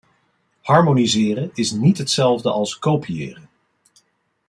Harmoniseren is niet hetzelfde als kopiëren.